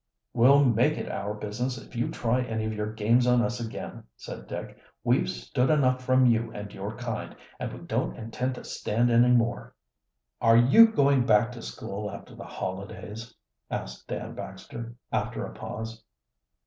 "We'll make it our business if you try any of your games on us again," said Dick. "We've stood enough from you and your kind, and we don't intend to stand any more." "Are you going back to school after the holidays?" asked Dan Baxter, after a pause.